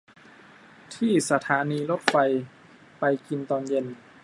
ที่สถานีรถไฟไปกินตอนเย็น